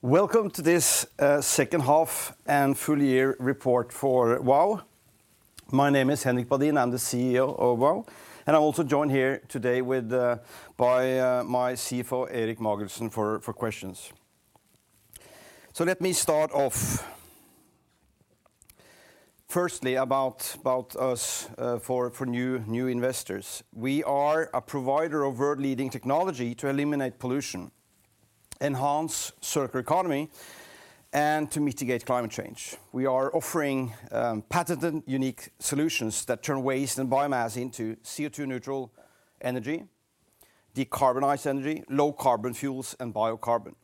Welcome to this second half and full year report for Vow. My name is Henrik Badin. I'm the CEO of Vow, and I'm also joined here today by my CFO, Erik Magelssen, for questions. Let me start off. Firstly, about us, for new investors. We are a provider of world-leading technology to eliminate pollution, enhance circular economy, and to mitigate climate change. We are offering patented, unique solutions that turn waste and biomass into CO2 neutral energy, decarbonized energy, low carbon fuels, and biocarbon.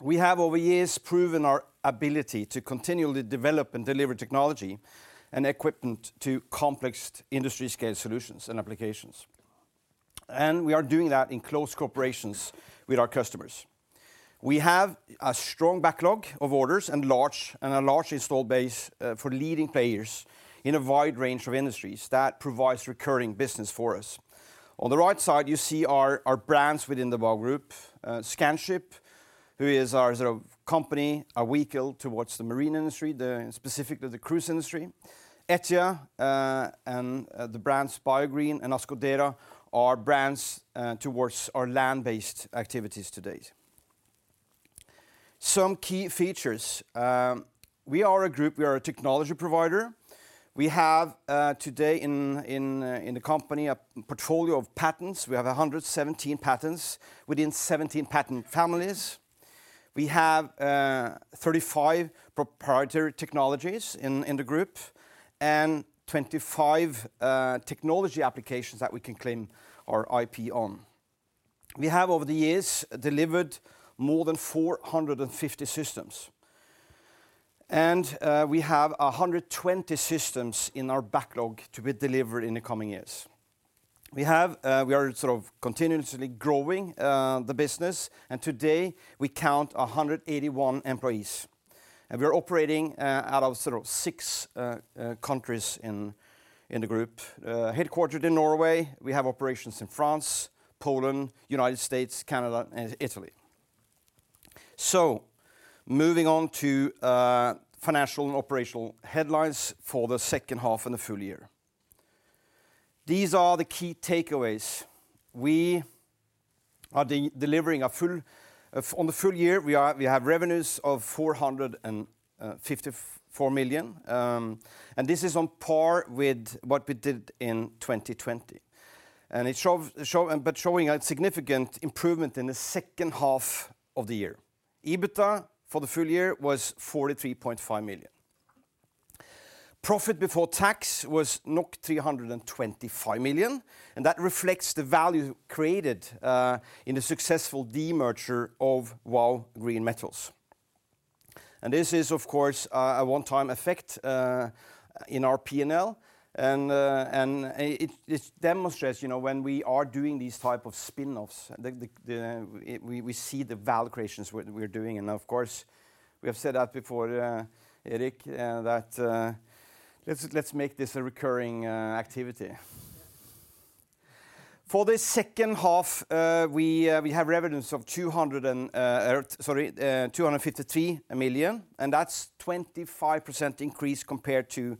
We have over years proven our ability to continually develop and deliver technology and equipment to complex industry scale solutions and applications, and we are doing that in close cooperations with our customers. We have a strong backlog of orders and a large install base for leading players in a wide range of industries that provides recurring business for us. On the right side, you see our brands within the Vow Group. Scanship, who is our sort of company, our vehicle towards the marine industry, specifically the cruise industry. ETIA and the brands BioGreen and Ascodero are brands towards our land-based activities to date. Some key features. We are a group, we are a technology provider. We have today in the company a portfolio of patents. We have 117 patents within 17 patent families. We have 35 proprietary technologies in the group, and 25 technology applications that we can claim our IP on. We have over the years delivered more than 450 systems, and we have 120 systems in our backlog to be delivered in the coming years. We are sort of continuously growing the business and today we count 181 employees. We're operating out of sort of six countries in the group, headquartered in Norway. We have operations in France, Poland, United States, Canada, and Italy. Moving on to financial and operational headlines for the second half and the full year. These are the key takeaways. We are delivering on the full year. We have revenues of 454 million, and this is on par with what we did in 2020. It shows a significant improvement in the second half of the year. EBITDA for the full year was 43.5 million. Profit before tax was 325 million, and that reflects the value created in the successful demerger of Vow Green Metals. This is of course a one-time effect in our P&L, and it demonstrates, you know, when we are doing these type of spinoffs, the value creation we're doing. Of course, we have said that before, Erik, that let's make this a recurring activity. For the second half, we have revenues of 253 million, and that's 25% increase compared to,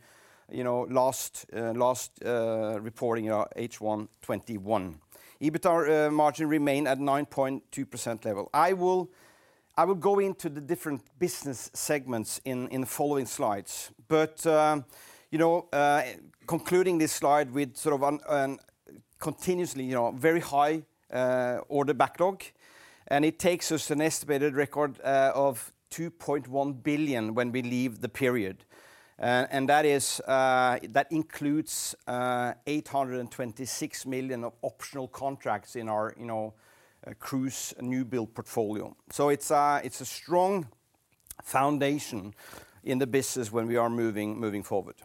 you know, last reporting, our H1 2021. EBITDA margin remained at 9.2% level. I will go into the different business segments in the following slides, but, you know, concluding this slide with sort of a continuously, you know, very high order backlog, and it takes us an estimated record of 2.1 billion when we leave the period. And that includes 826 million of optional contracts in our, you know, cruise new build portfolio. It's a strong foundation in the business when we are moving forward.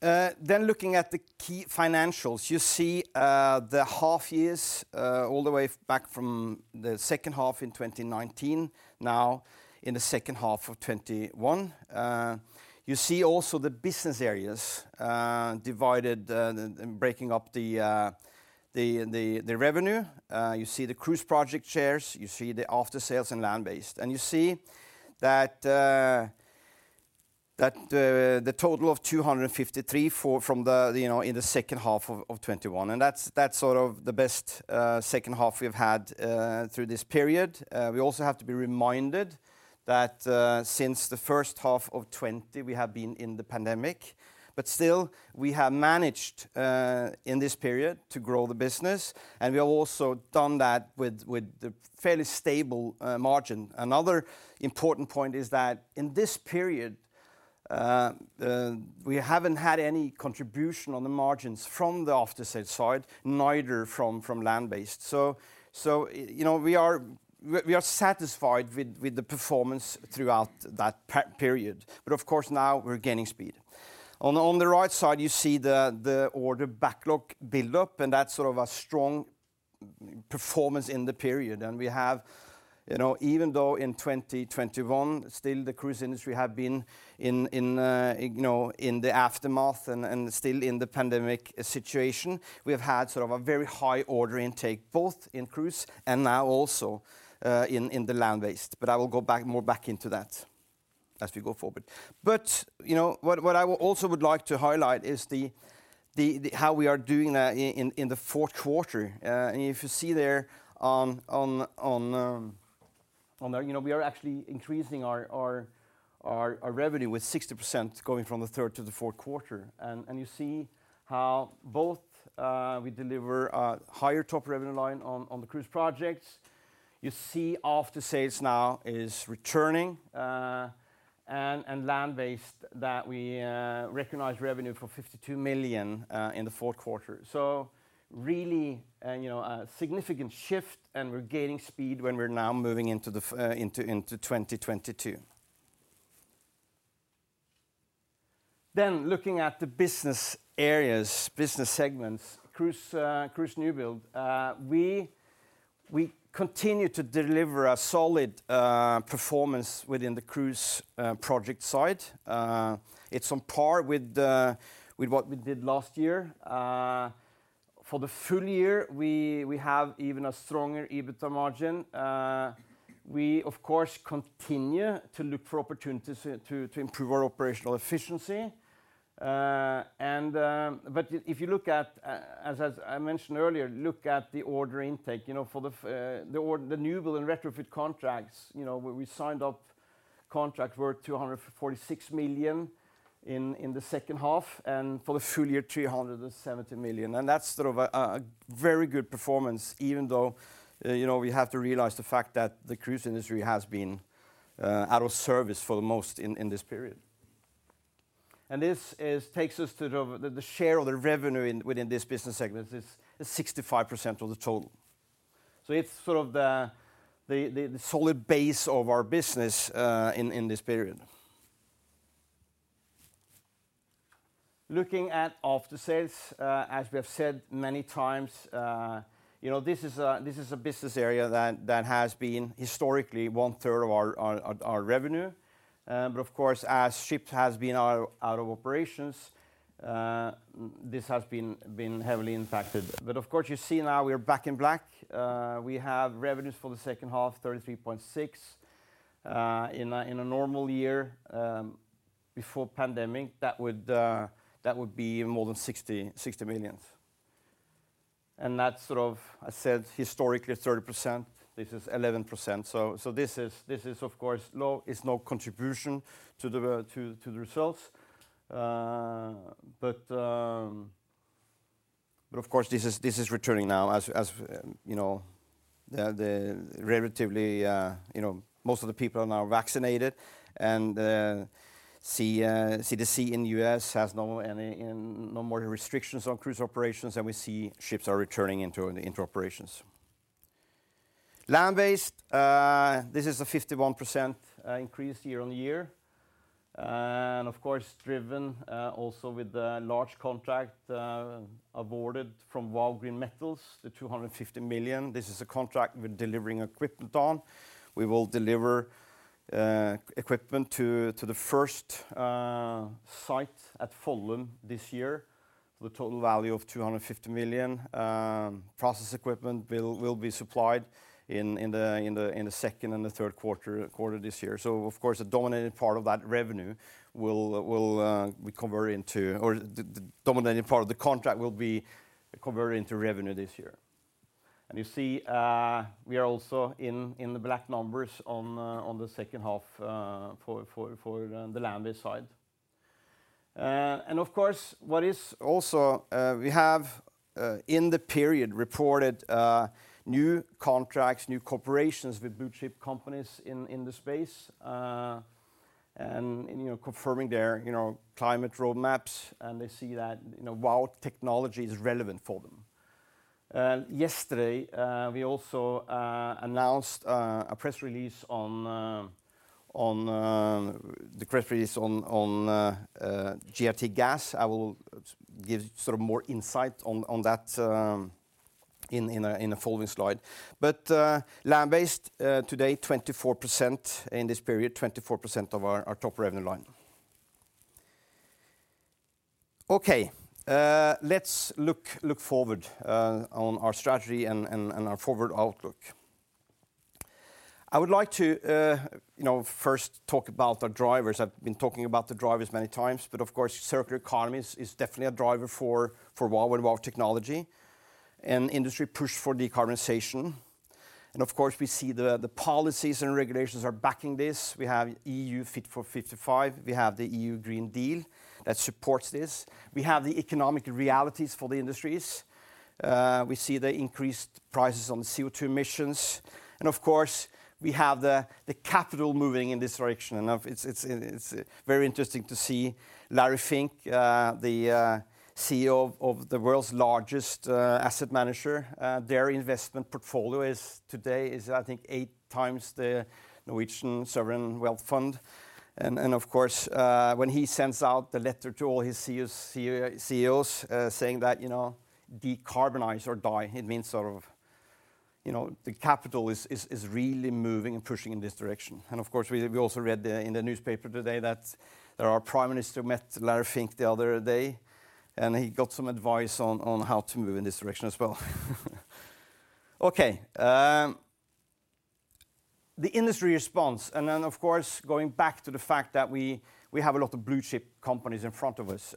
Looking at the key financials, you see the half years all the way back from the second half in 2019, now in the second half of 2021. You see also the business areas divided, breaking up the revenue. You see the cruise project shares, you see the aftersales and land-based, and you see that the total of 253 from the, you know, in the second half of 2021, and that's sort of the best second half we've had through this period. We also have to be reminded that, since the first half of 2020, we have been in the pandemic, but still we have managed in this period to grow the business, and we have also done that with the fairly stable margin. Another important point is that in this period, we haven't had any contribution on the margins from the aftersales side, neither from land-based. So, you know, we are satisfied with the performance throughout that period. Of course, now we're gaining speed. On the right side, you see the order backlog build-up, and that's sort of a strong performance in the period. We have. You know, even though in 2021, still the cruise industry have been in you know in the aftermath and still in the pandemic situation, we have had sort of a very high order intake, both in cruise and now also in the land-based. I will go back more back into that as we go forward. You know, what I also would like to highlight is how we are doing in the Q4. If you see there on there, you know, we are actually increasing our revenue with 60% going from the third to the fourth quarter. You see how both we deliver a higher top revenue line on the cruise projects. You see aftersales now is returning, and land-based that we recognize revenue for 52 million in the Q4. Really, you know, a significant shift, and we're gaining speed when we're now moving into 2022. Looking at the business areas, business segments, cruise newbuild, we continue to deliver a solid performance within the cruise project side. It's on par with what we did last year. For the full year, we have even a stronger EBITDA margin. We of course continue to look for opportunities to improve our operational efficiency. If you look at, as I mentioned earlier, look at the order intake, you know, for the newbuild and retrofit contracts, you know, where we signed up contract worth 246 million in the second half, and for the full year, 370 million. That's sort of a very good performance even though, you know, we have to realize the fact that the cruise industry has been out of service for most in this period. This takes us to the share of the revenue within this business segment. It's 65% of the total. It's sort of the solid base of our business in this period. Looking at aftersales, as we have said many times, you know, this is a business area that has been historically one-third of our revenue. Of course, as ships has been out of operations, this has been heavily impacted. Of course, you see now we are back in black. We have revenues for the second half, 33.6 million. In a normal year, before pandemic, that would be more than 60 million. That's sort of, I said, historically 30%. This is 11%. This is of course low. It's no contribution to the results. Of course, this is returning now as, you know, the relatively, you know, most of the people are now vaccinated and, see, CDC in U.S. has no more restrictions on cruise operations, and we see ships are returning into operations. Land-based, this is a 51% increase year-on-year. Of course, driven also with the large contract awarded from Vow Green Metals, the 250 million. This is a contract we're delivering equipment on. We will deliver equipment to the first site at Follum this year for the total value of 250 million, process equipment will be supplied in the Q2 and the Q3 this year. Of course, the dominating part of the contract will be converted into revenue this year. You see, we are also in the black numbers on the second half for the land-based side. Of course, what is also, we have in the period reported new contracts, new cooperations with blue-chip companies in the space, and you know, confirming their you know, climate roadmaps, and they see that you know, Vow technology is relevant for them. Yesterday, we also announced a press release on GRTgaz. I will give sort of more insight on that in a following slide. Land-based, today 24%. In this period, 24% of our top revenue line. Okay, let's look forward on our strategy and our forward outlook. I would like to, you know, first talk about our drivers. I've been talking about the drivers many times, but of course, circular economy is definitely a driver for Vow, with Vow technology and industry push for decarbonization. Of course, we see the policies and regulations are backing this. We have EU Fit for 55. We have the EU Green Deal that supports this. We have the economic realities for the industries. We see the increased prices on CO2 emissions. Of course, we have the capital moving in this direction. Of... It's very interesting to see Larry Fink, the CEO of the world's largest asset manager. Their investment portfolio is today, I think, eight times the Government Pension Fund of Norway. Of course, when he sends out the letter to all his CEOs, saying that, you know, "Decarbonize or die," it means, you know, the capital is really moving and pushing in this direction. Of course, we also read in the newspaper today that our Prime Minister met Larry Fink the other day, and he got some advice on how to move in this direction as well. Okay, the industry response. Then of course, going back to the fact that we have a lot of blue-chip companies in front of us.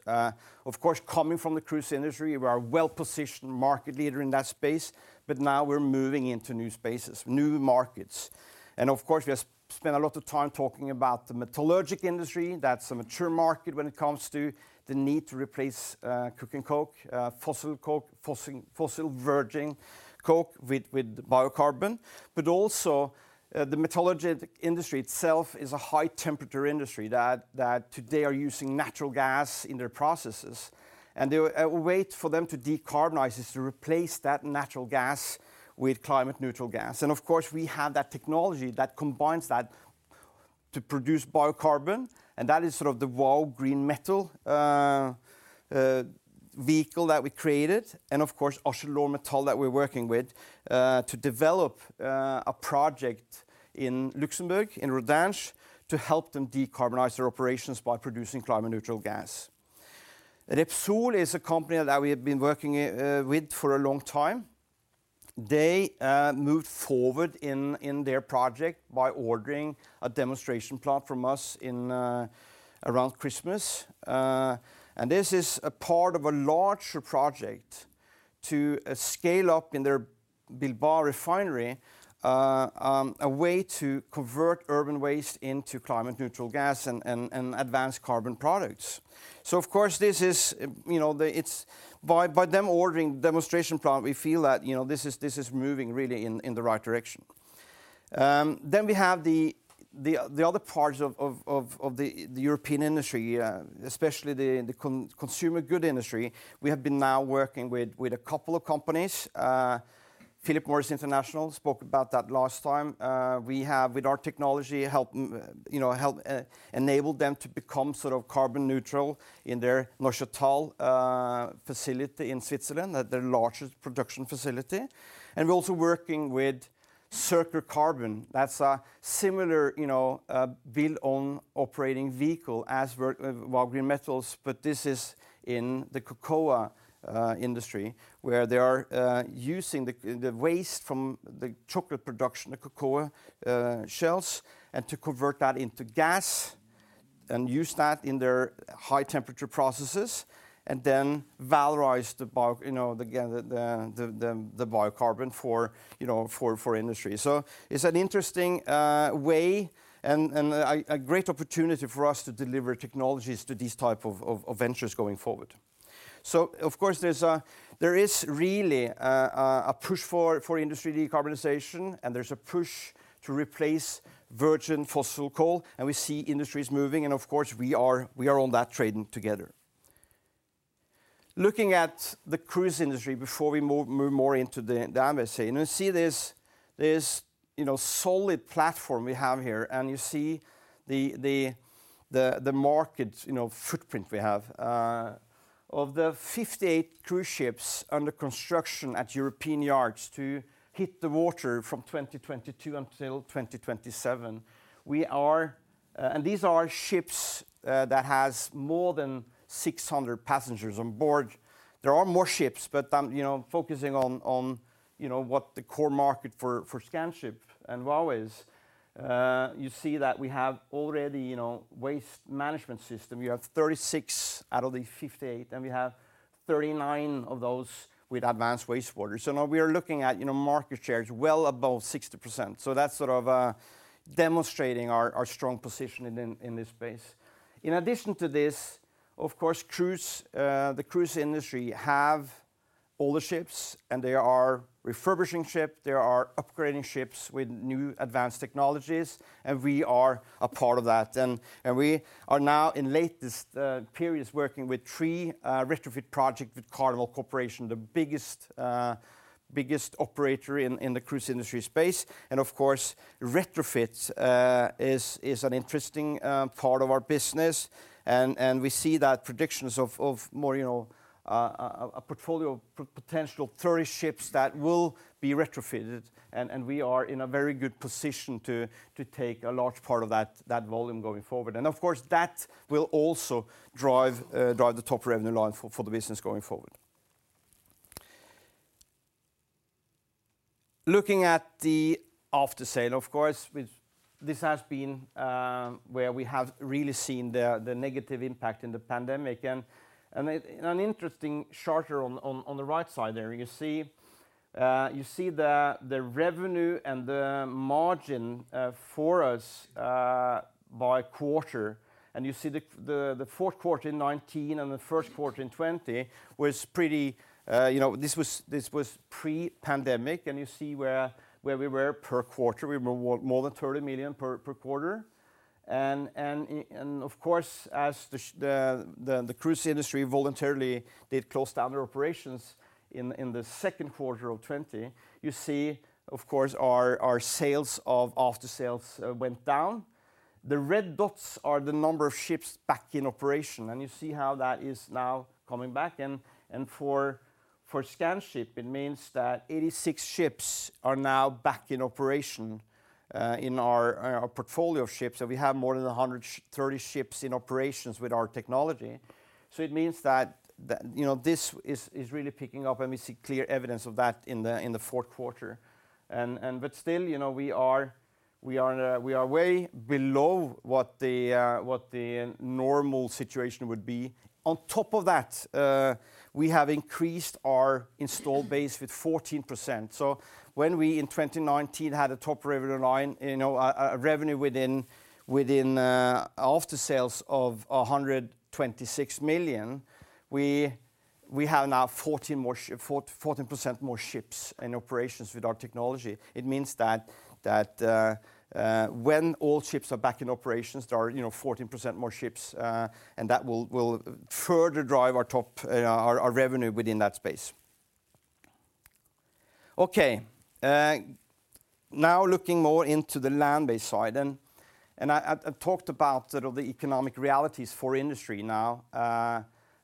Of course, coming from the cruise industry, we are a well-positioned market leader in that space, but now we're moving into new spaces, new markets. Of course, we have spent a lot of time talking about the metallurgic industry. That's a mature market when it comes to the need to replace coking coke, fossil coke, fossil virgin coke with biocarbon. But also, the metallurgic industry itself is a high-temperature industry that today are using natural gas in their processes. A way for them to decarbonize is to replace that natural gas with climate neutral gas. Of course, we have that technology that combines that to produce biocarbon, and that is sort of the Vow Green Metals vehicle that we created and of course, ArcelorMittal that we're working with to develop a project in Luxembourg, in Rodange, to help them decarbonize their operations by producing climate neutral gas. Repsol is a company that we have been working with for a long time. They moved forward in their project by ordering a demonstration plant from us in around Christmas. This is a part of a larger project to scale up in their Bilbao refinery, a way to convert urban waste into climate neutral gas and advanced carbon products. Of course this is, you know, it's by them ordering demonstration plant, we feel that, you know, this is moving really in the right direction. We have the other parts of the European industry, especially the consumer goods industry. We have been now working with a couple of companies. Philip Morris International spoke about that last time. We have with our technology helped, you know, enabled them to become sort of carbon neutral in their Neuchâtel facility in Switzerland, at their largest production facility. We're also working with Circular Carbon. That's a similar, you know, build-own-operate vehicle as Vow Green Metals, but this is in the cocoa industry, where they are using the waste from the chocolate production, the cocoa shells, and to convert that into gas and use that in their high-temperature processes, and then valorize the biocarbon for industry. It's an interesting way and a great opportunity for us to deliver technologies to these type of ventures going forward. There is really a push for industry decarbonization, and there's a push to replace virgin fossil coal, and we see industries moving and of course we are on that train together. Looking at the cruise industry before we move more into the MSC, and you see this you know solid platform we have here, and you see the market you know footprint we have. Of the 58 cruise ships under construction at European yards to hit the water from 2022 until 2027, and these are ships that has more than 600 passengers on board. There are more ships, but I'm you know focusing on what the core market for Scanship and Vow. You see that we have already you know waste management system. We have 36 out of the 58, and we have 39 of those with advanced wastewater. Now we are looking at market shares well above 60%. That's sort of demonstrating our strong position in this space. In addition to this, of course, the cruise industry has older ships, and they are refurbishing ships, they are upgrading ships with new advanced technologies, and we are a part of that. We are now in latest periods working with 3 retrofit projects with Carnival Corporation, the biggest operator in the cruise industry space. Of course, retrofits is an interesting part of our business. We see that predictions of more, you know, a portfolio of potential 30 ships that will be retrofitted, and we are in a very good position to take a large part of that volume going forward. Of course, that will also drive the top revenue line for the business going forward. Looking at the aftersale, of course, this has been where we have really seen the negative impact in the pandemic. In an interesting chart on the right side there, you see the revenue and the margin for us by quarter. You see the Q4 in 2019 and the Q1` in 2020 was pretty. This was pre-pandemic, and you see where we were per quarter. We were more than 30 million per quarter. Of course, as the cruise industry voluntarily did close down their operations in the Q2 of 2020, you see, of course, our sales of aftersales went down. The red dots are the number of ships back in operation, and you see how that is now coming back. For Scanship, it means that 86 ships are now back in operation in our portfolio of ships. We have more than 130 ships in operation with our technology. It means that, you know, this is really picking up, and we see clear evidence of that in the Q4. But still, you know, we are way below what the normal situation would be. On top of that, we have increased our install base with 14%. When we, in 2019, had a top revenue line, you know, a revenue within aftersales of 126 million, we have now 14% more ships in operations with our technology. It means that when all ships are back in operations, there are, you know, 14% more ships, and that will further drive our top revenue within that space. Okay. Now looking more into the land-based side, and I've talked about sort of the economic realities for industry now,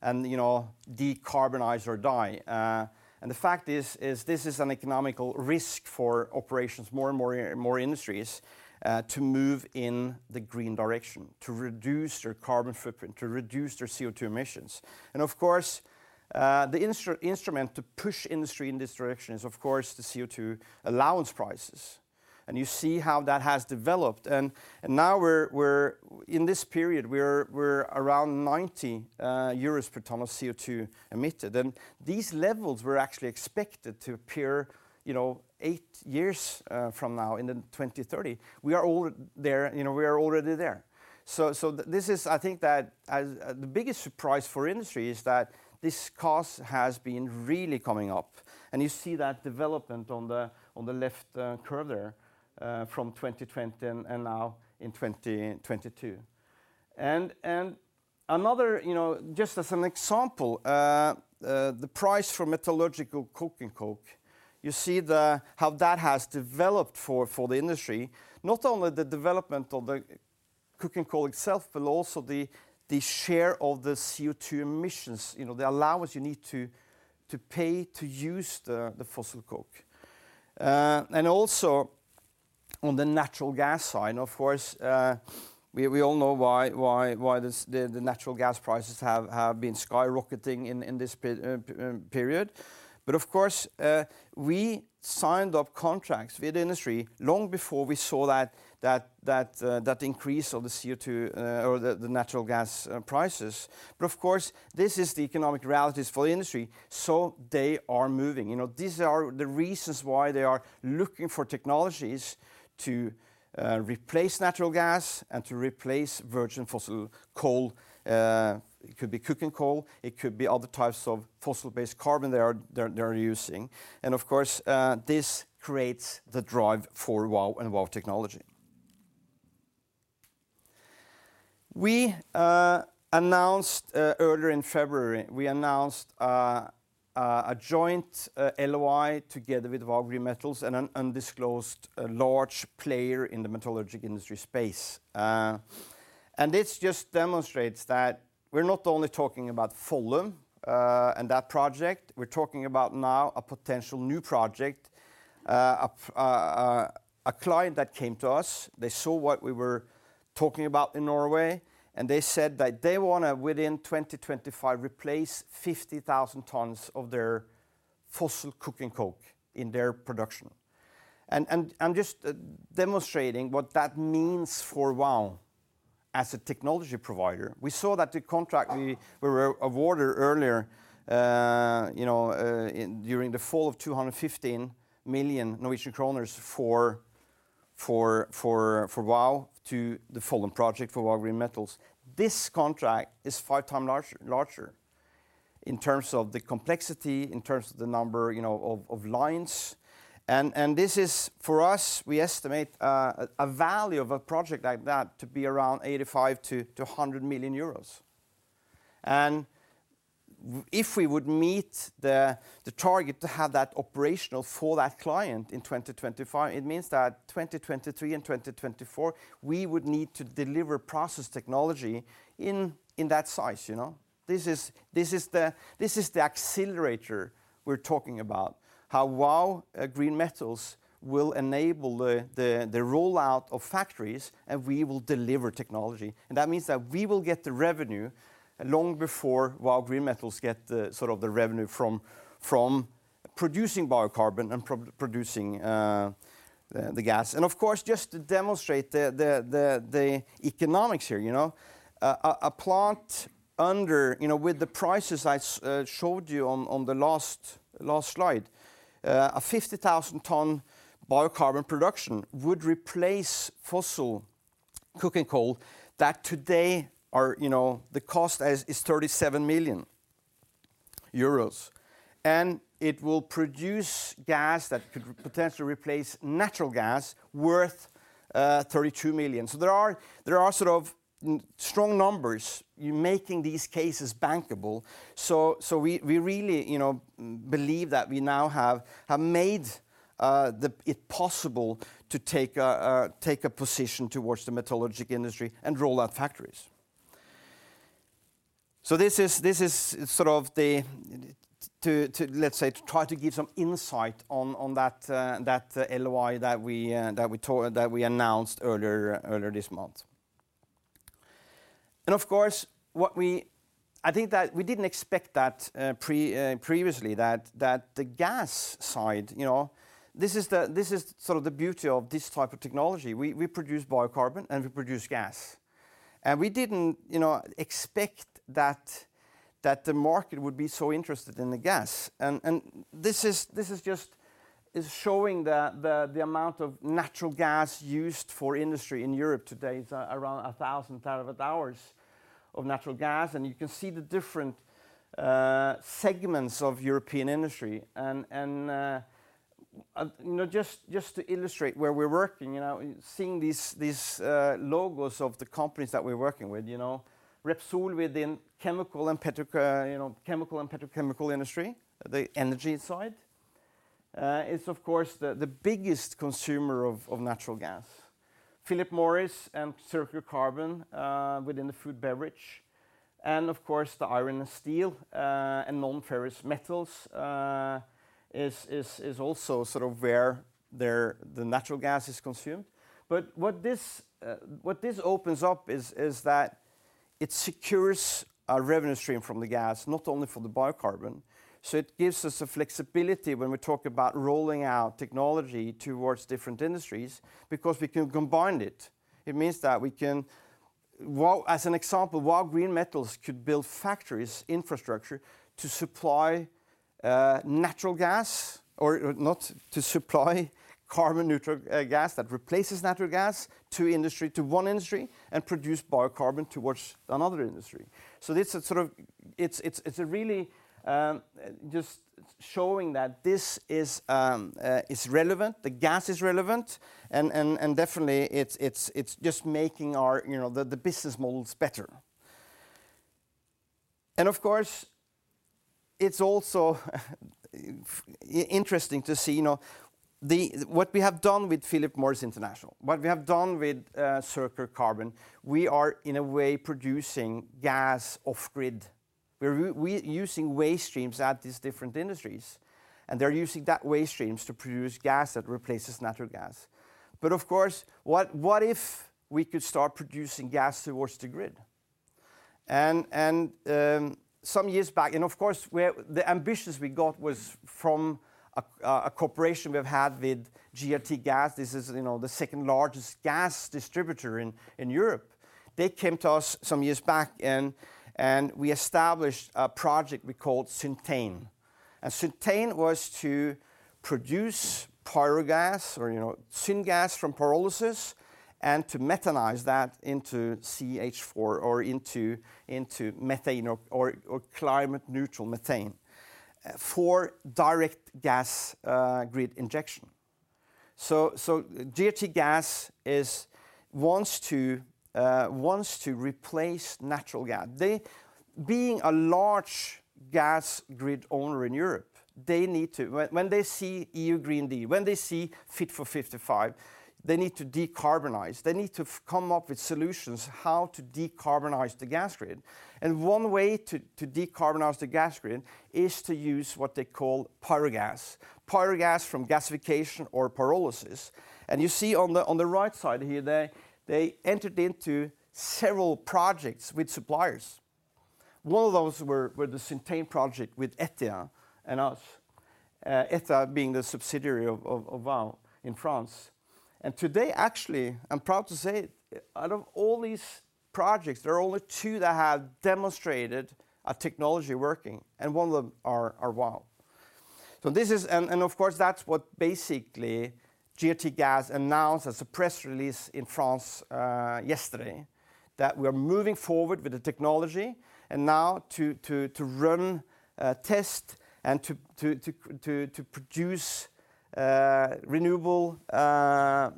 and, you know, decarbonize or die. The fact is this is an economic risk for operations, more and more industries to move in the green direction, to reduce their carbon footprint, to reduce their CO2 emissions. Of course, the instrument to push industry in this direction is, of course, the CO2 allowance prices. You see how that has developed. Now we're in this period, we're around 90 euros per ton of CO2 emitted. These levels were actually expected to appear, you know, 8 years from now in the 2030. We are all there. You know, we are already there. This is I think that as the biggest surprise for industry is that this cost has been really coming up. You see that development on the left curve there from 2020 and now in 2022. Another, you know, just as an example, the price for metallurgical coking coke, you see how that has developed for the industry, not only the development of the coking coal itself, but also the share of the CO2 emissions, you know, the allowance you need to pay to use the fossil coke. Also on the natural gas side, of course, we all know why this, the natural gas prices have been skyrocketing in this period. Of course, we signed up contracts with the industry long before we saw that increase of the CO2 or the natural gas prices. Of course, this is the economic realities for the industry, so they are moving. You know, these are the reasons why they are looking for technologies to replace natural gas and to replace virgin fossil coal. It could be coking coal, it could be other types of fossil-based carbon they are using. Of course, this creates the drive for Vow and Vow technology. We announced earlier in February a joint LOI together with Vow Green Metals and an undisclosed large player in the metallurgical industry space. This just demonstrates that we're not only talking about volume and that project, we're talking about now a potential new project. A client that came to us, they saw what we were talking about in Norway, and they said that they wanna, within 2025, replace 50,000 tons of their fossil coking coke in their production. I'm just demonstrating what that means for Vow as a technology provider. We saw that the contract we were awarded earlier, you know, in, during the fall of 215 million Norwegian kroner for Vow to the Follum project for Vow Green Metals. This contract is five times larger in terms of the complexity, in terms of the number, you know, of lines. This is, for us, we estimate, a value of a project like that to be around 85 million-100 million euros. If we would meet the target to have that operational for that client in 2025, it means that 2023 and 2024, we would need to deliver process technology in that size, you know? This is the accelerator we're talking about, how Vow Green Metals will enable the rollout of factories, and we will deliver technology. That means that we will get the revenue long before Vow Green Metals get the sort of revenue from producing biocarbon and producing the gas. Of course, just to demonstrate the economics here, you know, a plant, you know, with the prices I showed you on the last slide, a 50,000-ton biocarbon production would replace fossil coking coal that today, the cost is 37 million euros. It will produce gas that could potentially replace natural gas worth 32 million. There are sort of strong numbers making these cases bankable. We really, you know, believe that we now have made it possible to take a position towards the metallurgical industry and roll out factories. This is sort of, let's say, to try to give some insight on that LOI that we announced earlier this month. Of course, I think that we didn't expect previously that the gas side, you know, this is sort of the beauty of this type of technology. We produce biocarbon and we produce gas. We didn't, you know, expect that the market would be so interested in the gas. This is just showing the amount of natural gas used for industry in Europe today. It's around 1,000 terawatt-hours of natural gas. You can see the different segments of European industry and you know, just to illustrate where we're working, you know, seeing these logos of the companies that we're working with, you know. Repsol within chemical and petrochemical industry, the energy side. It's of course the biggest consumer of natural gas. Philip Morris and Circular Carbon within the food and beverage, and of course, the iron and steel and non-ferrous metals is also sort of where the natural gas is consumed. What this opens up is that it secures a revenue stream from the gas, not only for the biocarbon. It gives us a flexibility when we talk about rolling out technology towards different industries, because we can combine it. It means that we can. As an example, while Green Metals could build factories, infrastructure to supply natural gas or not, to supply carbon neutral gas that replaces natural gas to industry, to one industry and produce biocarbon towards another industry. This is sort of it's a really just showing that this is relevant, the gas is relevant and definitely it's just making our you know the business models better. Of course, it's also interesting to see, you know, what we have done with Philip Morris International, what we have done with Circular Carbon. We are in a way producing gas off grid. We're using waste streams at these different industries, and they're using that waste streams to produce gas that replaces natural gas. Of course, what if we could start producing gas towards the grid? Some years back, the ambitions we got was from a cooperation we've had with GRTgaz. This is, you know, the second largest gas distributor in Europe. They came to us some years back and we established a project we called Syntain. Syntain was to produce pyrogas or, you know, syngas from pyrolysis and to methanize that into CH4 or into methane or climate neutral methane for direct gas grid injection. GRTgaz wants to replace natural gas. They, being a large gas grid owner in Europe, need to decarbonize. When they see EU Green Deal, when they see Fit for 55, they need to decarbonize. They need to come up with solutions how to decarbonize the gas grid. One way to decarbonize the gas grid is to use what they call pyrogas. Pyrogas from gasification or pyrolysis. You see on the right side here, they entered into several projects with suppliers. One of those were the Syntain project with ETIA and us. ETIA being the subsidiary of Vow in France. Today, actually, I'm proud to say out of all these projects, there are only two that have demonstrated a technology working, and one of them are Vow. Of course, that's what basically GRTgaz announced as a press release in France yesterday, that we're moving forward with the technology and now to produce renewable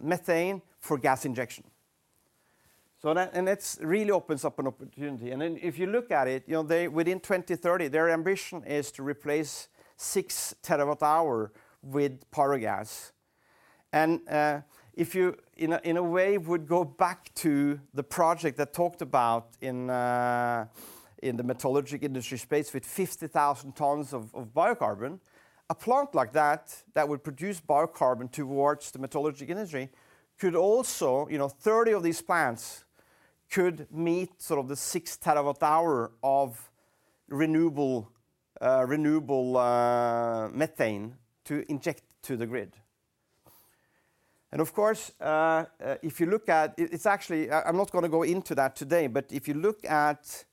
methane for gas injection. That really opens up an opportunity. Then if you look at it, you know, they within 2030, their ambition is to replace 6 terawatt-hour with pyrogas. If you, in a way, would go back to the project that talked about in the metallurgical industry space with 50,000 tons of biocarbon, a plant like that that would produce biocarbon towards the metallurgical industry could also, you know, 30 of these plants could meet sort of the 6 TWh of renewable methane to inject to the grid. Of course, if you look at it's actually. I'm not gonna go into that today, but if you look at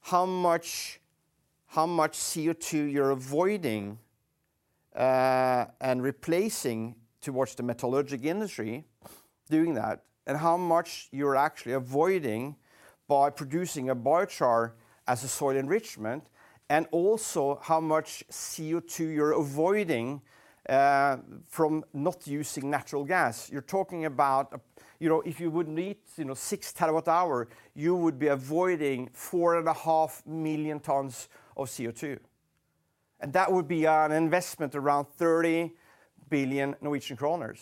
how much CO2 you're avoiding and replacing towards the metallurgical industry doing that, and how much you're actually avoiding by producing a biochar as a soil enrichment, and also how much CO2 you're avoiding from not using natural gas. You're talking about, you know, if you would meet, you know, 6 TWh, you would be avoiding 4.5 million tons of CO2. That would be an investment around 30 billion Norwegian kroner.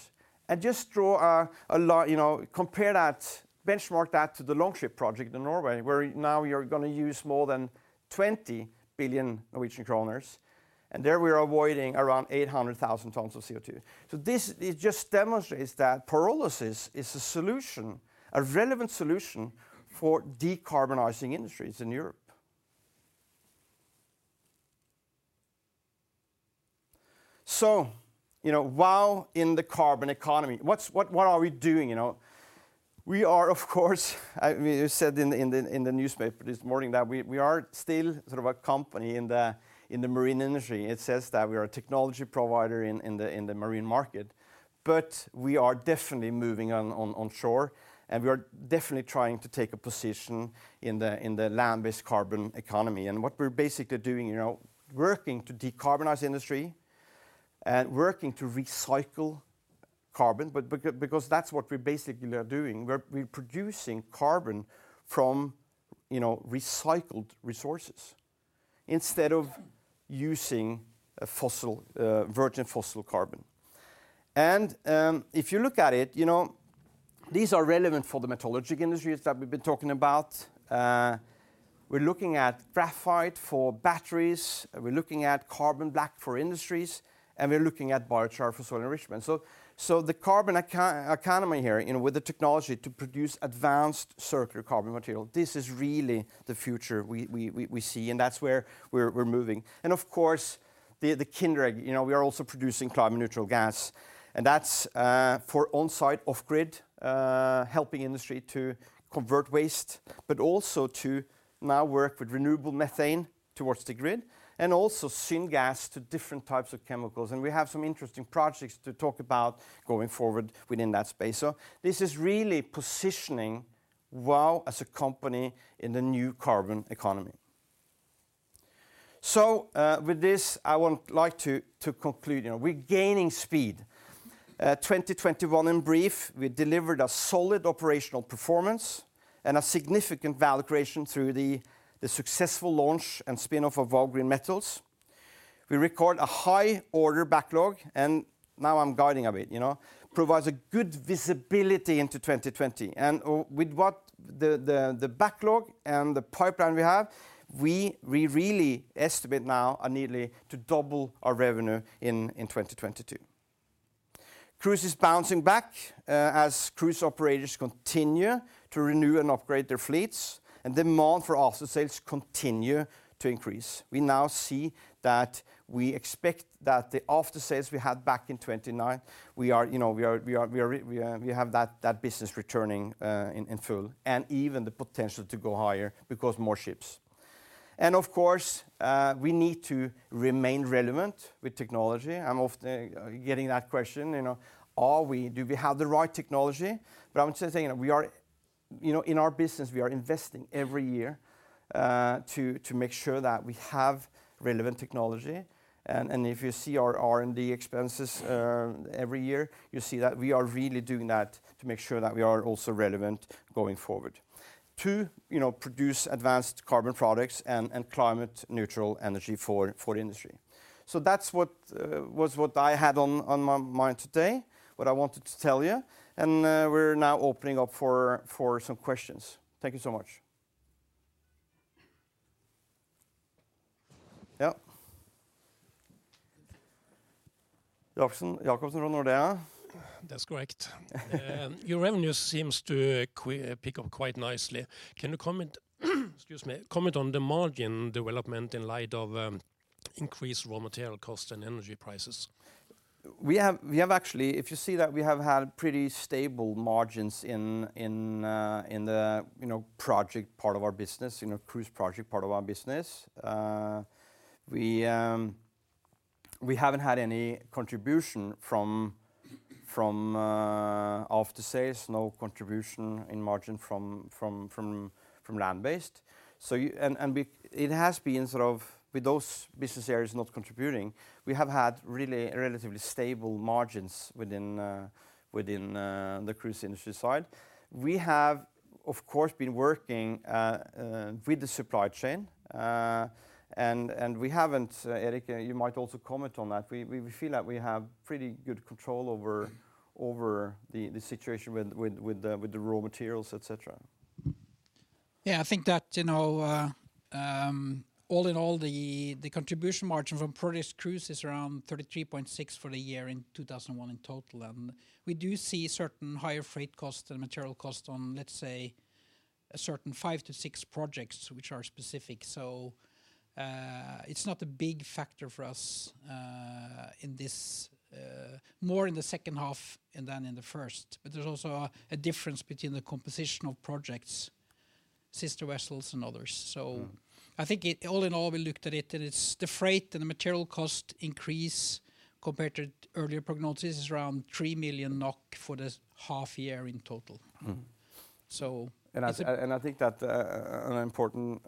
Just draw a you know, compare that, benchmark that to the Longship project in Norway, where now you're gonna use more than 20 billion Norwegian kroner, and there we are avoiding around 800,000 tons of CO2. This it just demonstrates that pyrolysis is a solution, a relevant solution for decarbonizing industries in Europe. You know, while in the carbon economy, what are we doing, you know? We are of course, we said in the newspaper this morning that we are still sort of a company in the marine industry. It says that we are a technology provider in the marine market. We are definitely moving onshore, and we are definitely trying to take a position in the land-based carbon economy. What we're basically doing, you know, working to decarbonize industry and working to recycle carbon, but because that's what we basically are doing. We're producing carbon from, you know, recycled resources instead of using virgin fossil carbon. If you look at it, you know, these are relevant for the metallurgical industries that we've been talking about. We're looking at graphite for batteries, and we're looking at carbon black for industries, and we're looking at biochar for soil enrichment. The carbon eco-economy here, you know, with the technology to produce advanced circular carbon material, this is really the future we see, and that's where we're moving. Of course, the Kindred, you know, we are also producing climate neutral gas, and that's for on-site, off-grid, helping industry to convert waste, but also to now work with renewable methane towards the grid, and also syngas to different types of chemicals, and we have some interesting projects to talk about going forward within that space. This is really positioning Vow as a company in the new carbon economy. With this, I would like to conclude. You know, we're gaining speed. 2021 in brief, we delivered a solid operational performance and a significant valuation through the successful launch and spin-off of Vow Green Metals. We record a high order backlog, and now I'm guiding a bit, you know, provides a good visibility into 2020. With what the backlog and the pipeline we have, we really estimate now are nearly to double our revenue in 2022. Cruise is bouncing back as cruise operators continue to renew and upgrade their fleets, and demand for after sales continue to increase. We now see that we expect that the after sales we had back in 2019, we are, you know, we have that business returning in full, and even the potential to go higher because more ships. Of course, we need to remain relevant with technology. I'm often getting that question, you know, do we have the right technology? I would say, you know, we are, you know, in our business, we are investing every year to make sure that we have relevant technology. If you see our R&D expenses every year, you see that we are really doing that to make sure that we are also relevant going forward to, you know, produce advanced carbon products and climate neutral energy for industry. That's what was what I had on my mind today, what I wanted to tell you, and we're now opening up for some questions. Thank you so much. Yeah. Jacobsen from Nordea. That's correct. Your revenue seems to pick up quite nicely. Can you comment on the margin development in light of increased raw material cost and energy prices? We have actually. If you see that we have had pretty stable margins in the, you know, project part of our business, you know, cruise project part of our business. We haven't had any contribution from after sales, no contribution in margin from land-based, and it has been sort of with those business areas not contributing, we have had really relatively stable margins within the cruise industry side. We have, of course, been working with the supply chain, and we haven't, Erik, you might also comment on that. We feel that we have pretty good control over the situation with the raw materials, et cetera. I think that, you know, all in all, the contribution margin from product cruise is around 33.6% for the year in 2021 in total. We do see certain higher freight costs and material costs on, let's say, a certain 5-6 projects which are specific. It's not a big factor for us in this more in the second half than in the first. There's also a difference between the composition of projects, sister vessels and others. Mm. I think, all in all, we looked at it, and it's the freight and the material cost increase compared to earlier prognosis is around 3 million NOK for this half year in total. Mm-hmm. I think that an important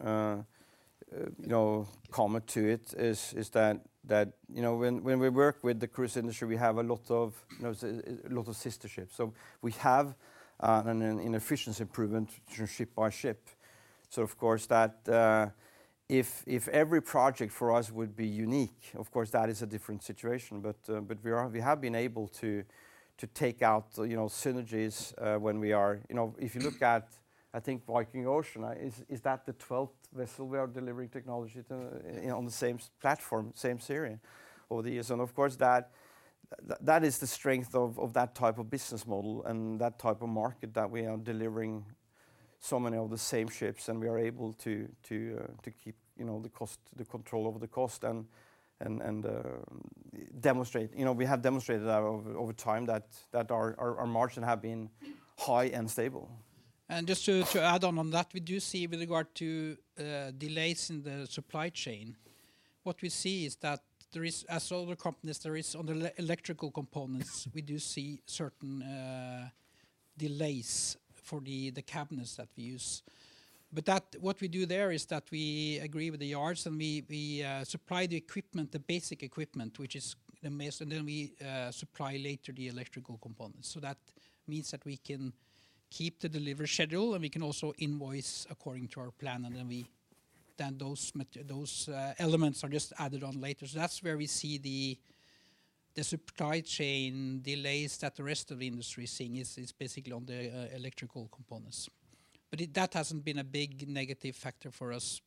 you know comment to it is that you know when we work with the cruise industry, we have a lot of sister ships. We have an efficiency improvement ship by ship. Of course if every project for us would be unique, of course that is a different situation. But we have been able to take out you know synergies when we are. You know, if you look at, I think Viking Ocean is that the twelfth vessel we are delivering technology to you know on the same platform, same series over the years? Of course that is the strength of that type of business model and that type of market that we are delivering so many of the same ships and we are able to keep you know the control over the cost and demonstrate. You know, we have demonstrated that over time that our margin have been high and stable. Just to add on that, we do see with regard to delays in the supply chain, what we see is that there is, as other companies, there is on the electrical components, we do see certain delays for the cabinets that we use. But that, what we do there is that we agree with the yards and we supply the equipment, the basic equipment. Then we supply later the electrical components. That means that we can keep the delivery schedule, and we can also invoice according to our plan. Then those elements are just added on later. That's where we see the supply chain delays that the rest of the industry is seeing is basically on the electrical components. That hasn't been a big negative factor for us.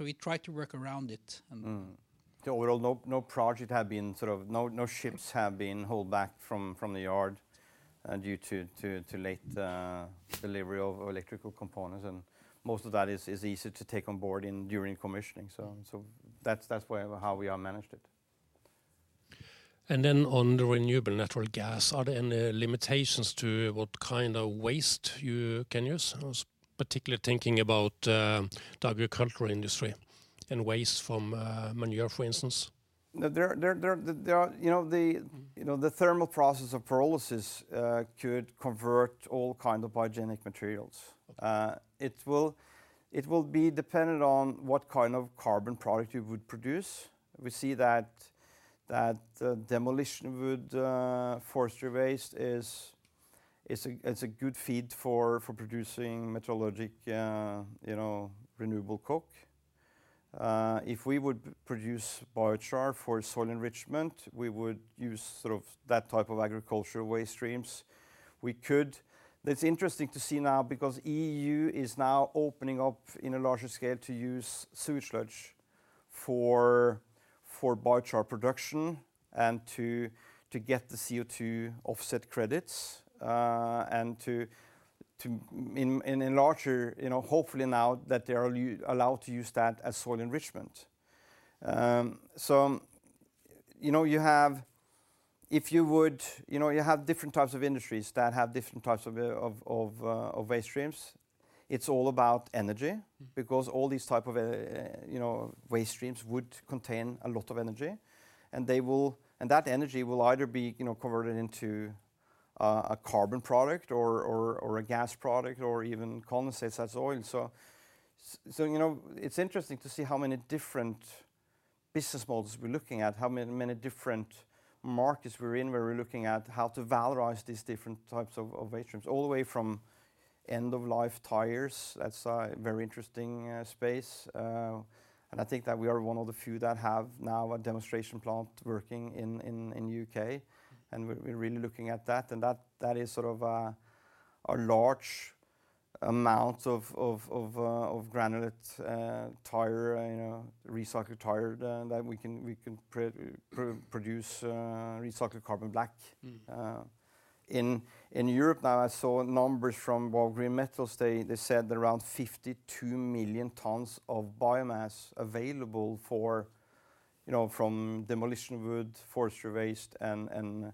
We try to work around it and Overall, no project have been. No ships have been held back from the yard due to too late delivery of electrical components. Most of that is easy to take on board and during commissioning. That's where, how we have managed it. On the renewable natural gas, are there any limitations to what kind of waste you can use? I was particularly thinking about the agricultural industry and waste from manure, for instance. You know, the thermal process of pyrolysis could convert all kinds of biogenic materials. It will be dependent on what kind of carbon product you would produce. We see that demolition wood, forestry waste is a good feed for producing metallurgical, you know, renewable coke. If we would produce biochar for soil enrichment, we would use sort of that type of agricultural waste streams. It's interesting to see now because EU is now opening up in a larger scale to use sewage sludge for biochar production and to get the CO2 offset credits, and to include in larger, you know, hopefully now that they are allowed to use that as soil enrichment. You know, you have different types of industries that have different types of waste streams. It's all about energy because all these type of you know, waste streams would contain a lot of energy, and that energy will either be you know, converted into a carbon product or a gas product or even condensates as oil. You know, it's interesting to see how many different business models we're looking at, how many different markets we're in, where we're looking at how to valorize these different types of waste streams, all the way from end-of-life tires. That's a very interesting space, and I think that we are one of the few that have now a demonstration plant working in U.K., and we're really looking at that. That is sort of a large amount of granulate tire, you know, recycled tire that we can produce recycled carbon black. Mm-hmm. In Europe now, I saw numbers from, well, Vow Green Metals. They said around 52 million tons of biomass available for, you know, from demolition wood, forestry waste, and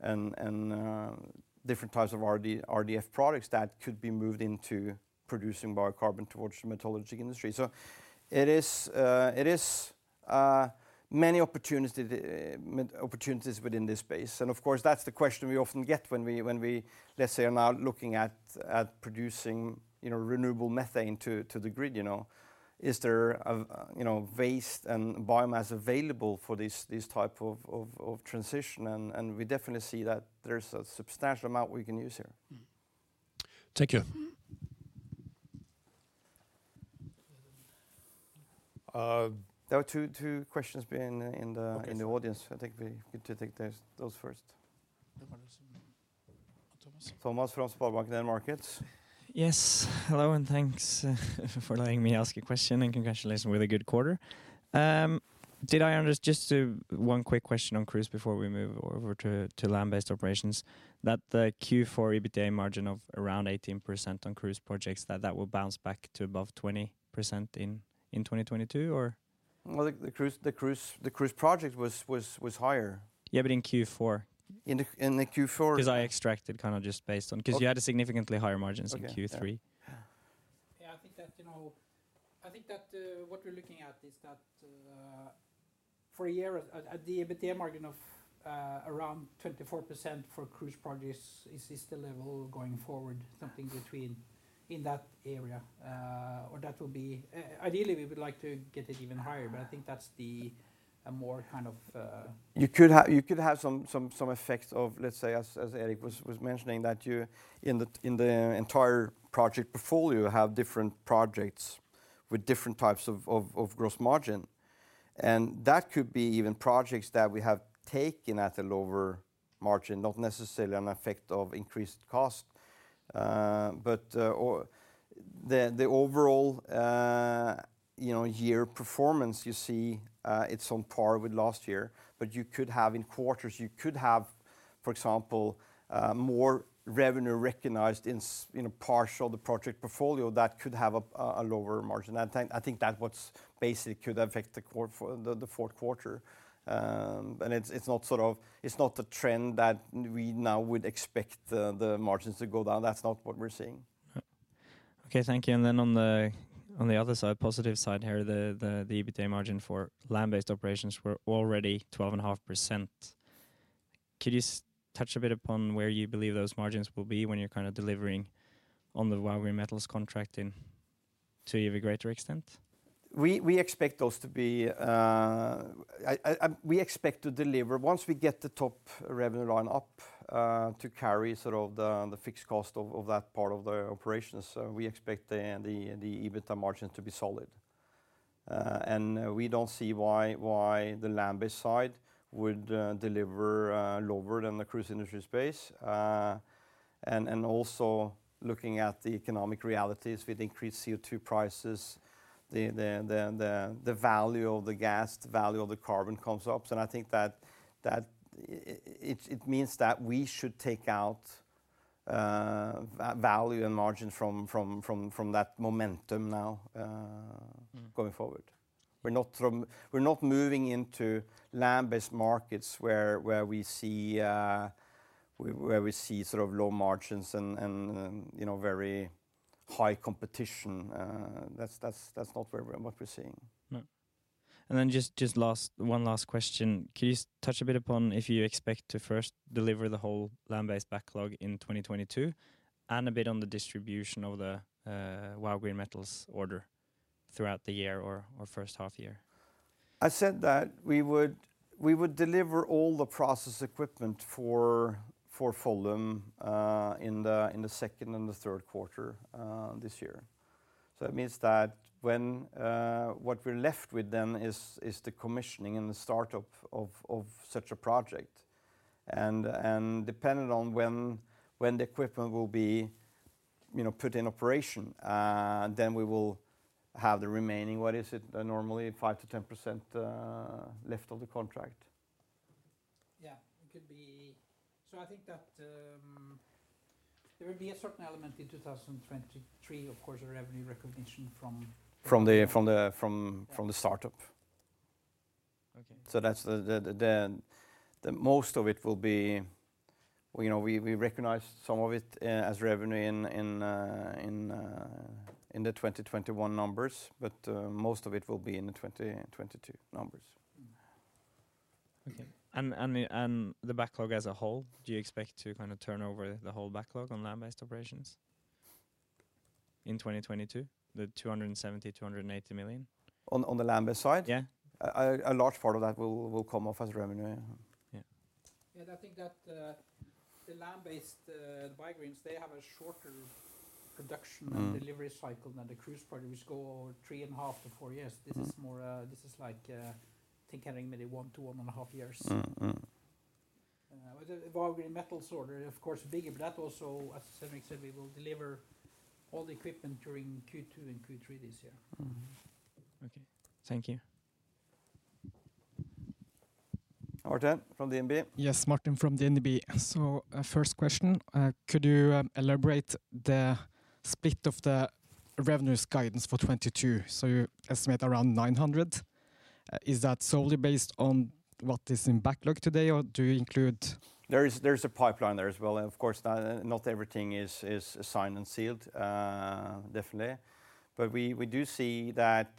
different types of RDF products that could be moved into producing biocarbon towards the metallurgy industry. It is many opportunities within this space. Of course, that's the question we often get when we, let's say, are now looking at producing, you know, renewable methane to the grid, you know. Is there, you know, waste and biomass available for this type of transition? We definitely see that there's a substantial amount we can use here. Mm-hmm. Thank you. Mm-hmm. There were two questions in the audience. I think we could take those first. Thomas. Thomas from SpareBank 1 Markets. Yes. Hello, and thanks for letting me ask a question, and congratulations with a good quarter. Just one quick question on cruise before we move over to land-based operations. Will that Q4 EBITDA margin of around 18% on cruise projects bounce back to above 20% in 2022, or? Well, the cruise project was higher. Yeah, in Q4. In the, in the Q4- I extracted kind of just based on. Okay 'Cause you had significantly higher margins in Q3. Yeah, I think that, you know, I think that what we're looking at is that for a year at the EBITDA margin of around 24% for cruise projects is the level going forward, something between in that area. Or that will be. Ideally, we would like to get it even higher, but I think that's a more kind of. You could have some effects of, let's say, as Erik was mentioning, that you, in the entire project portfolio, have different projects with different types of gross margin. That could be even projects that we have taken at a lower margin, not necessarily an effect of increased cost. Or the overall, you know, year performance you see, it's on par with last year. But you could have, in quarters, for example, more revenue recognized in a portion of the project portfolio that could have a lower margin. I think that what basically could affect the fourth quarter. It's not a trend that we now would expect the margins to go down. That's not what we're seeing. Okay, thank you. On the other side, positive side here, the EBITDA margin for land-based operations were already 12.5%. Could you touch a bit upon where you believe those margins will be when you're kind of delivering on the Vow Green Metals contract into even greater extent? We expect to deliver once we get the top revenue line up to carry sort of the fixed cost of that part of the operations. We expect the EBITDA margin to be solid. We don't see why the land-based side would deliver lower than the cruise industry space. Looking at the economic realities with increased CO2 prices, the value of the gas, the value of the carbon comes up. I think that it means that we should take out value and margin from that momentum now. Mm-hmm going forward. We're not moving into land-based markets where we see sort of low margins and you know, very high competition. That's not what we're seeing. No. Then one last question. Could you touch a bit upon if you expect to first deliver the whole land-based backlog in 2022, and a bit on the distribution of the Vow Green Metals order throughout the year or first half year? I said that we would deliver all the process equipment for Follum in the Q2 and Q3 this year. It means that what we're left with then is the commissioning and the start of such a project. Dependent on when the equipment will be, you know, put in operation, then we will have the remaining normally 5%-10% left of the contract. It could be. I think that there will be a certain element in 2023, of course, a revenue recognition from. From the startup. Okay. Well, you know, we recognize some of it as revenue in the 2021 numbers, but most of it will be in the 2022 numbers. Okay. The backlog as a whole, do you expect to kind of turn over the whole backlog on land-based operations in 2022, 270 million-280 million? On the land-based side? Yeah. A large part of that will come off as revenue. Yeah. Yeah, I think that the land-based Vow Green, they have a shorter production- Mm Delivery cycle than the cruise partner, which go over 3.5-4 years. Mm. This is like, I think having maybe one to 1.5 years. Mm. Mm. With the Vow Green Metals order, of course, bigger. That also, as Henrik said, we will deliver all the equipment during Q2 and Q3 this year. Okay. Thank you. Martin from DNB. Yes, Martin from DNB. First question, could you elaborate the split of the revenues guidance for 2022? You estimate around 900. Is that solely based on what is in backlog today, or do you include- There is a pipeline there as well. Of course, not everything is signed and sealed, definitely. We do see that,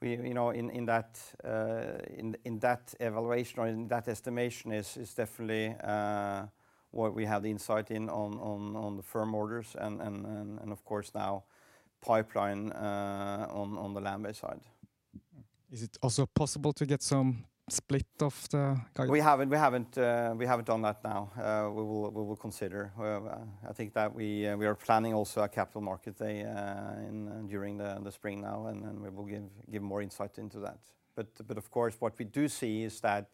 you know, in that evaluation or in that estimation is definitely what we have insight into on the firm orders and of course our pipeline on the land-based side. Is it also possible to get some split of the guidance? We haven't done that now. We will consider. I think that we are planning also a Capital Markets Day during the spring now, and then we will give more insight into that. Of course, what we do see is that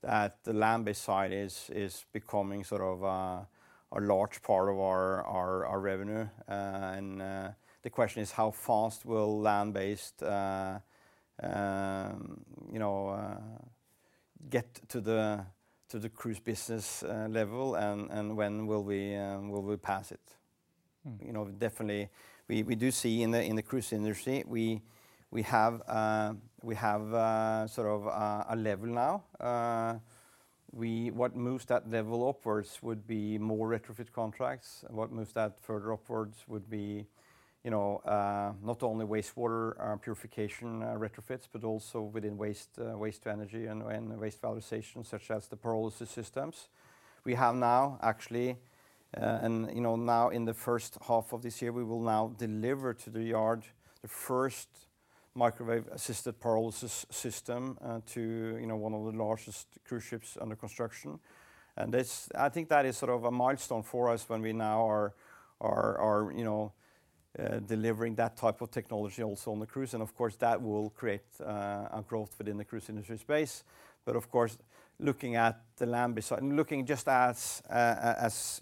the land-based side is becoming sort of a large part of our revenue. The question is how fast will land-based you know get to the cruise business level and when will we pass it? Mm-hmm. You know, definitely we do see in the cruise industry, we have sort of a level now. What moves that level upwards would be more retrofit contracts. What moves that further upwards would be, you know, not only wastewater purification retrofits, but also within waste to energy and waste valorization, such as the pyrolysis systems. We have now actually, you know, now in the first half of this year, we will deliver to the yard the first microwave-assisted pyrolysis system to one of the largest cruise ships under construction. I think that is sort of a milestone for us when we now are delivering that type of technology also on the cruise. Of course, that will create a growth within the cruise industry space. Of course, looking at the land-based and looking just as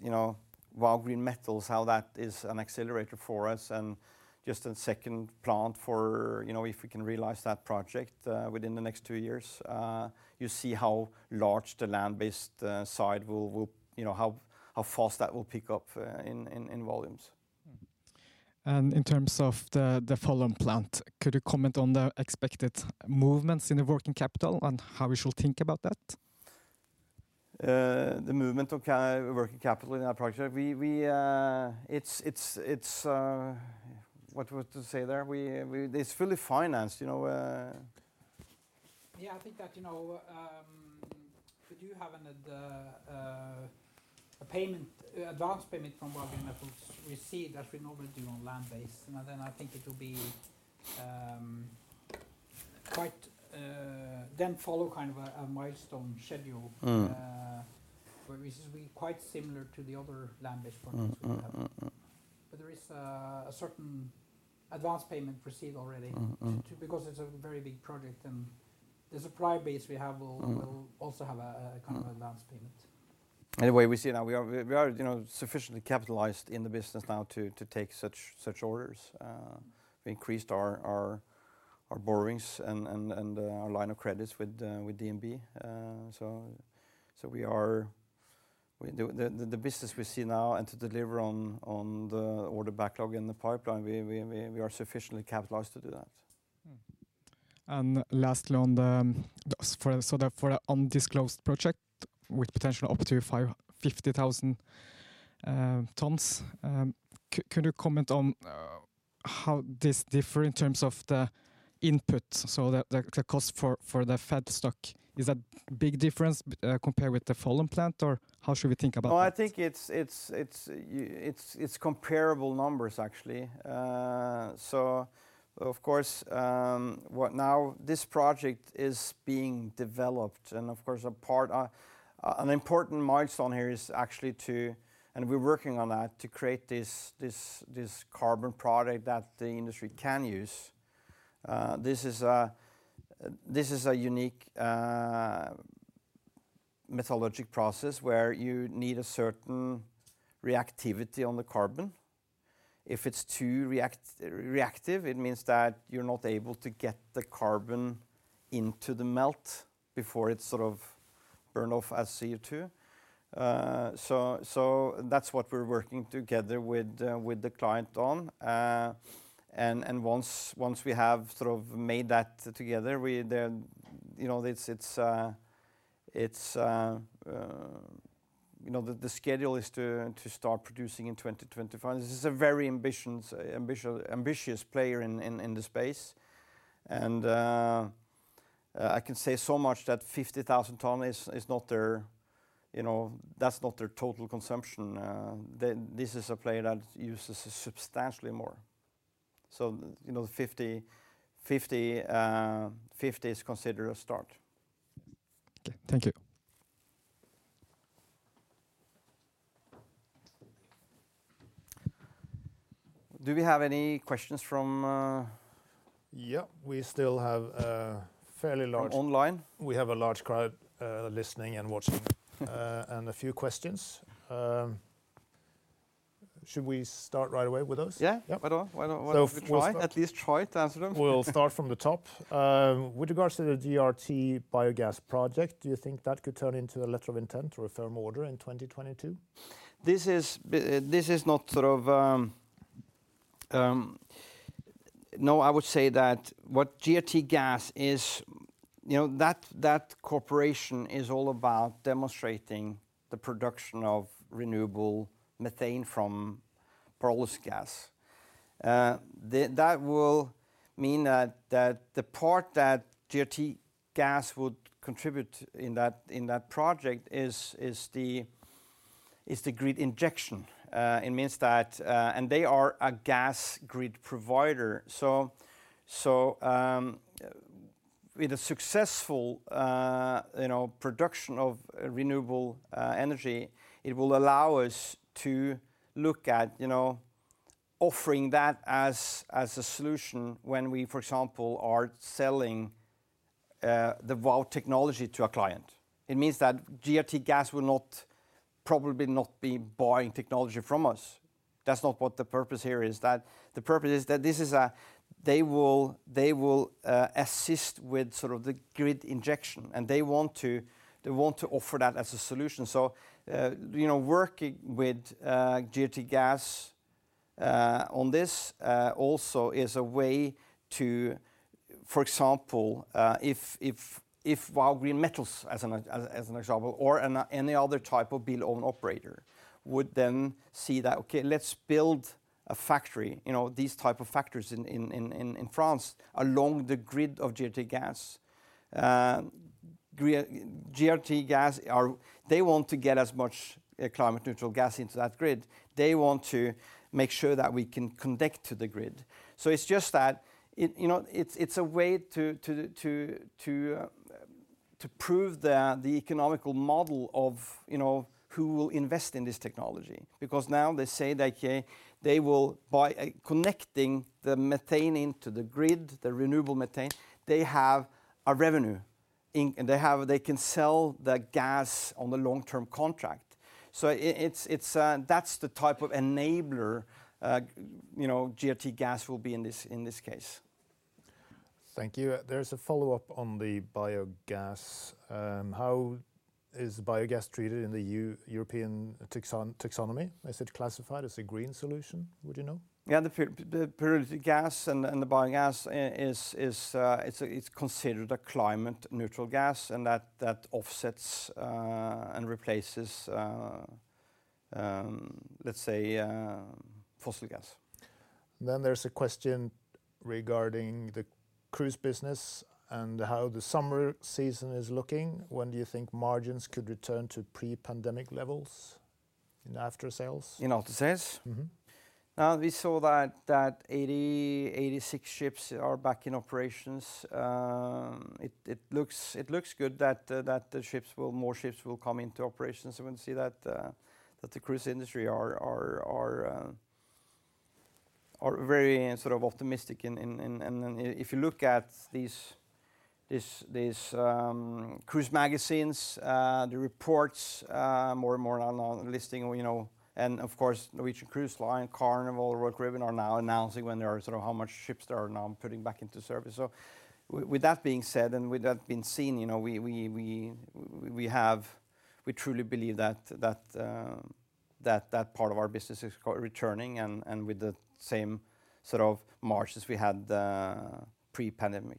you know Vow Green Metals, how that is an accelerator for us and just the second plant, you know, if we can realize that project within the next two years, you see how large the land-based side will, you know, how fast that will pick up in volumes. In terms of the Follum plant, could you comment on the expected movements in the working capital and how we should think about that? The movement of working capital in our project. It's fully financed, you know. Yeah, I think that, you know, could you have an advance payment from Vow Green Metals received as we normally do on land-based? I think it will be quite. Follow kind of a milestone schedule. Mm Where this will be quite similar to the other land-based projects we have. Mm. Mm. Mm. Mm. There is a certain advanced payment received already. Mm. Mm... to because it's a very big project and the supply base we have will- Mm will also have a kind of Mm advanced payment. Anyway, we see now we are, you know, sufficiently capitalized in the business now to take such orders. We increased our borrowings and our line of credits with DNB. The business we see now and to deliver on the order backlog in the pipeline, we are sufficiently capitalized to do that. Lastly, on the S4 for undisclosed project with potential up to 50,000 tons, could you comment on how this differ in terms of the input, so the cost for the feedstock? Is that big difference compared with the Follum plant or how should we think about that? Well, I think it's comparable numbers actually. Of course, now this project is being developed, and of course an important milestone here is to create this carbon product that the industry can use. We're working on that. This is a unique metallurgical process where you need a certain reactivity on the carbon. If it's too reactive, it means that you're not able to get the carbon into the melt before it's sort of burn off as CO2. So that's what we're working together with the client on. And once we have sort of made that together, you know, the schedule is to start producing in 2025. This is a very ambitious player in this space. I can say so much that 50,000 tons is not their total consumption. You know, that's not their total consumption. This is a player that uses substantially more. You know, 50 is considered a start. Okay. Thank you. Do we have any questions from? Yeah. We still have fairly large- From online. We have a large crowd listening and watching, and a few questions. Should we start right away with those? Yeah. Yeah. Why don't we try? So first- At least try to answer them. We'll start from the top. With regards to the GRTgaz Biogas project, do you think that could turn into a letter of intent or a firm order in 2022? No, I would say that what GRTgaz is, you know, that corporation is all about demonstrating the production of renewable methane from pyrogas. That will mean that the part that GRTgaz would contribute in that project is the grid injection. It means that they are a gas grid provider. With a successful, you know, production of renewable energy, it will allow us to look at, you know, offering that as a solution when we, for example, are selling the Vow technology to a client. It means that GRTgaz will probably not be buying technology from us. That's not what the purpose here is. That the purpose is that this is a, they will assist with sort of the grid injection, and they want to offer that as a solution. You know, working with GRTgaz on this also is a way to, for example, if Vow Green Metals as an example or any other type of build own operator would then see that, okay, let's build a factory, you know, these type of factories in France along the grid of GRTgaz. They want to get as much climate neutral gas into that grid. They want to make sure that we can connect to the grid. It's just that it, you know, it's a way to prove the economic model of, you know, who will invest in this technology. Because now they say that, okay, they will, by connecting the methane into the grid, the renewable methane, they have a revenue. They can sell the gas on the long-term contract. It's, that's the type of enabler, you know, GRTgaz will be in this case. Thank you. There's a follow-up on the biogas. How is biogas treated in the EU Taxonomy? Is it classified as a green solution? Would you know? Yeah. The pyrolysis gas and the biogas, it's considered a climate-neutral gas, and that offsets and replaces, let's say, fossil gas. There's a question regarding the cruise business and how the summer season is looking. When do you think margins could return to pre-pandemic levels in aftersales? In aftersales? Mm-hmm. We saw that 86 ships are back in operations. It looks good that more ships will come into operations and we'll see that the cruise industry is very sort of optimistic. Then if you look at these cruise magazines, the reports, more and more now listing, you know. Of course, Norwegian Cruise Line, Carnival, Royal Caribbean are now announcing when there are sort of how many ships they are now putting back into service. With that being said and with that being seen, you know, we truly believe that that part of our business is returning and with the same sort of margins we had pre-pandemic.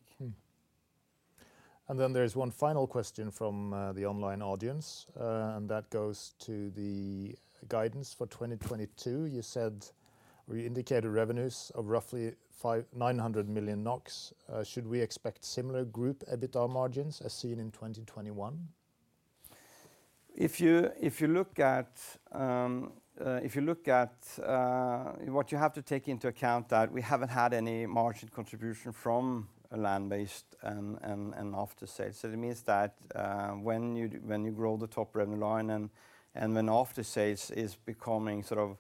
There's one final question from the online audience, and that goes to the guidance for 2022. You indicated revenues of roughly 900 million NOK. Should we expect similar group EBITDA margins as seen in 2021? If you look at what you have to take into account that we haven't had any margin contribution from a land-based and aftersales. It means that when you grow the top revenue line and when aftersales is becoming sort of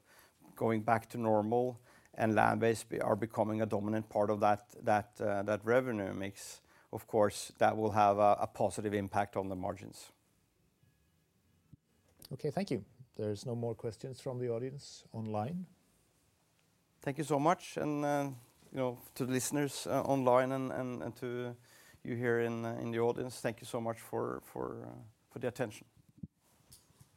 going back to normal and land-based are becoming a dominant part of that revenue mix, of course, that will have a positive impact on the margins. Okay. Thank you. There's no more questions from the audience online. Thank you so much. You know, to the listeners online and to you here in the audience, thank you so much for the attention.